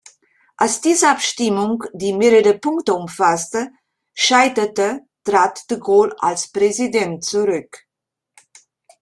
Als diese Abstimmung, die mehrere Punkte umfasste, scheiterte, trat de Gaulle als Präsident zurück.